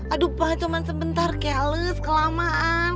aduh pak cuman sebentar keles kelamaan